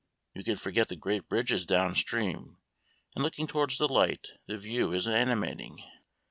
You can forget the great bridges down stream; and looking towards the light the view is animating.